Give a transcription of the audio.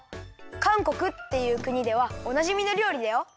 かんこくっていうくにではおなじみのりょうりだよ。